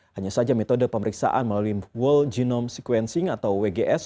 hanya saja metode pemeriksaan melalui world genome sequencing atau wgs